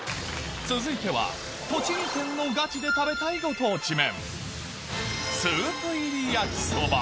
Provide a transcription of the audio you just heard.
続いては栃木県のガチで食べたいご当地麺